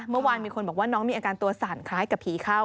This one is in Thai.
เมื่อวานมีคนบอกว่าน้องมีอาการตัวสั่นคล้ายกับผีเข้า